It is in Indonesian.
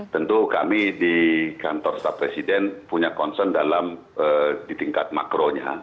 tentu kami di kantor staf presiden punya concern dalam di tingkat makronya